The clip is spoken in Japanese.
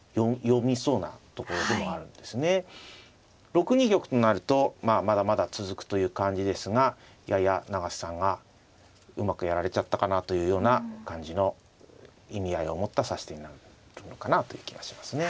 ６二玉となるとまだまだ続くという感じですがやや永瀬さんがうまくやられちゃったかなというような感じの意味合いを持った指し手になるのかなという気はしますね。